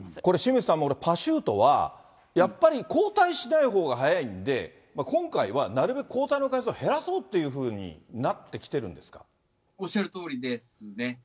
これ清水さん、パシュートは、やっぱり交代しないほうが速いんで、今回はなるべく交代の回数を減らそうっていうふうに、なってきておっしゃるとおりですね。